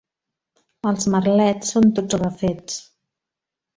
Els merlets són tots refets.